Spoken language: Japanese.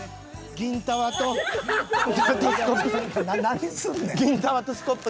銀たわとスコップ。